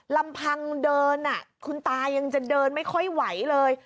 ลำพังเดินคุณตายังจะเดินไม่ค่อยไหวเลย